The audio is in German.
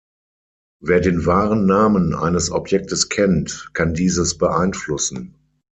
Wer den wahren Namen eines Objektes kennt, kann dieses beeinflussen.